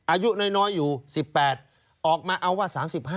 อายุน้อยอยู่๑๘ออกมาเอาว่า๓๕